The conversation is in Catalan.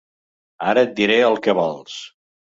Ara et diré el que vols.